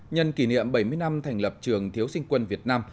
nhân kỷ niệm bảy mươi năm thành lập trường thiếu sinh quân việt nam